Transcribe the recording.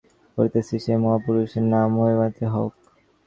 যাঁহাদের জীবন আমরা অনুধ্যান করিতেছি, সেই মহাপুরুষগণের নাম মহিমান্বিত হউক।